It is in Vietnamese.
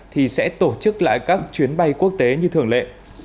thì sẽ tổ chức lại các chuyến bay quốc tế như thường lệ